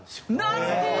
なるほどね！